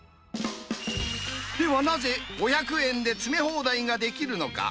ではなぜ、５００円で詰め放題ができるのか。